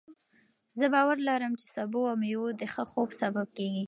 زه باور لرم چې سبو او مېوې د ښه خوب سبب کېږي.